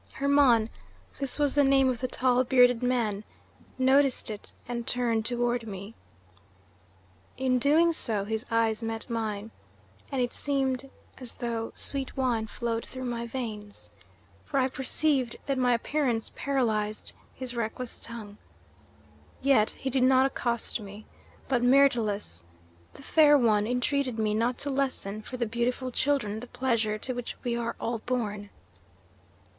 "Hermon this was the name of the tall, bearded man noticed it and turned toward me. In doing so his eyes met mine, and it seemed as though sweet wine flowed through my veins, for I perceived that my appearance paralyzed his reckless tongue. Yet he did not accost me; but Myrtilus, the fair one, entreated me not to lessen for the beautiful children the pleasure to which we are all born.